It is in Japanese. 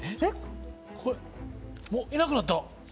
もういなくなった。